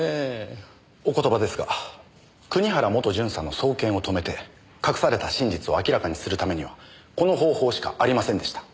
お言葉ですが国原元巡査の送検を止めて隠された真実を明らかにする為にはこの方法しかありませんでした。